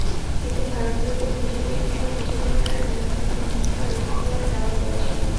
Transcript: এতে ভারতীয়দের নিজেদের বিষয় নিজেদের দ্বারা নিয়ন্ত্রণে অধিকতর এখতিয়ার দেওয়া হয়েছিল।